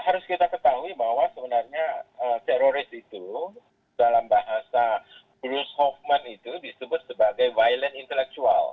harus kita ketahui bahwa sebenarnya teroris itu dalam bahasa bruce hovement itu disebut sebagai violent intellectual